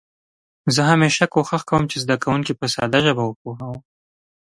زه همېشه کوښښ کوم چې زده کونکي په ساده ژبه وپوهوم.